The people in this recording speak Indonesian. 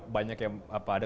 banyak yang apa ada